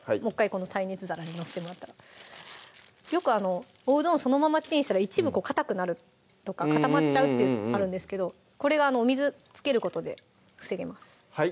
この耐熱皿に載せてもらったらよくおうどんそのままチンしたら一部かたくなるとか固まっちゃうってあるんですけどこれがお水つけることで防げます